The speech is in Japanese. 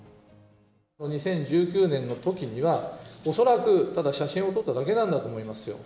２０１９年のときには、恐らく、ただ写真を撮っただけなんだと思います。